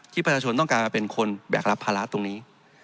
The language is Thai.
ประชาชนต้องการมาเป็นคนแบกรับภาระตรงนี้